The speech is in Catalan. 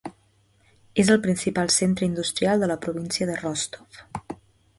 És el principal centre industrial de la província de Rostov.